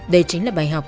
đây chính là bài học